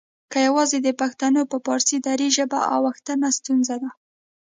که یواځې د پښتنو په فارسي دري ژبې اوښتنه ستونزه ده؟